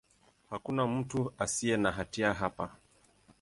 Hakuna mtu asiye na hatia hapa.